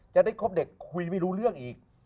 จะได้คบเด็กคุยไม่รู้เรื่องอีก